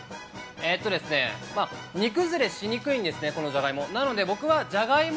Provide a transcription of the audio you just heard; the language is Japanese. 煮崩れしにくいんですね、このジャガイモ。